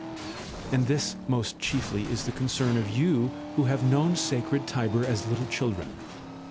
And this most chiefly is the concern of you who have known sacred Tiber as little children.